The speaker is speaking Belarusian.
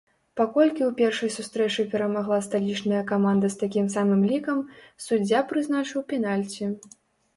Паколькі ў першай сустрэчы перамагла сталічная каманда з такім самым лікам, суддзя прызначыў пенальці.